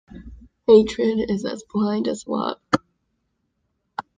Hatred is as blind as love.